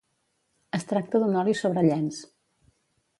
Es tracta d'un oli sobre llenç.